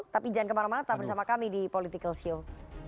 tapi jangan kemana mana tetap bersama kami di political show